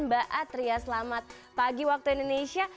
mbak atria selamat pagi waktu indonesia